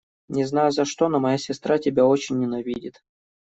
Не знаю за что, но моя сестра тебя очень ненавидит.